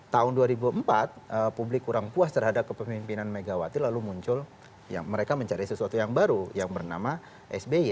tahun dua ribu empat publik kurang puas terhadap kepemimpinan megawati lalu muncul mereka mencari sesuatu yang baru yang bernama sby